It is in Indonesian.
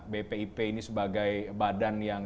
bpip ini sebagai badan yang